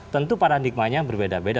tentu paradigmanya berbeda beda